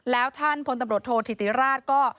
แล้วท่านพลตำรวจโทษธิติราชก็